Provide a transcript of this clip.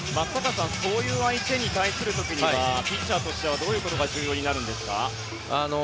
そういう相手に対する時ピッチャーとしてはどういうことが重要になりますか？